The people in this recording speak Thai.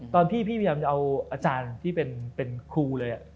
พี่พี่พยายามจะเอาอาจารย์ที่เป็นครูเลย